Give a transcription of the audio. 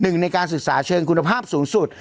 หนึ่งในการศึกษาเชิงคุณภาพสูงสุด